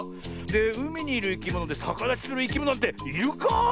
うみにいるいきものでさかだちするいきものっているか？